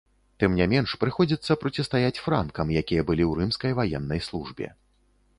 Тым не менш, прыходзіцца процістаяць франкам, якія былі ў рымскай ваеннай службе.